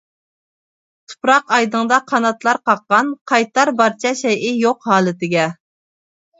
تۇپراق ئايدىڭدا قاناتلار قاققان، قايتار بارچە شەيئى يوق ھالىتىگە.